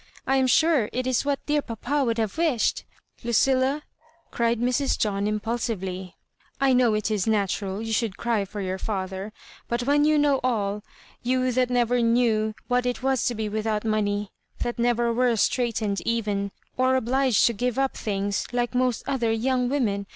I am sure it is what dear papa would have wished "" Lucilla," cried Mrs. John, impulsively, " I know it is natural you should cry for your &ther ; but when you know all, — you that never knew what it was to be without money — ^that never were straitened even, or obliged to give up things, like most other young women.